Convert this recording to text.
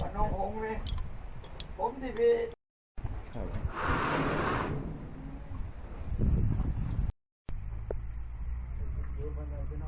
สวัสดีครับสวัสดีครับ